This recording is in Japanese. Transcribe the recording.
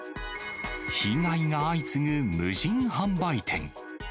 被害が相次ぐ無人販売店。